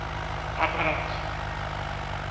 パパラッチ？